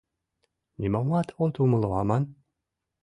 Нимомат от умыло аман?